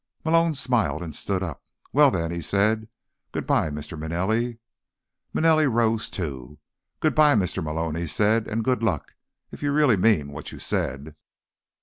Malone smiled and stood up. "Well, then," he said, "goodbye, Mr. Manelli." Manelli rose, too. "Goodbye, Mr. Malone," he said. "And good luck, if you really mean what you said."